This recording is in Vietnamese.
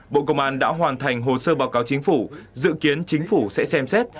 bộ công an đã hoàn thành hồ sơ báo cáo chính phủ dự kiến chính phủ sẽ xem xét